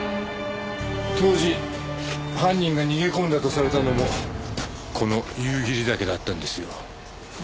当時犯人が逃げ込んだとされたのもこの夕霧岳だったんですよ。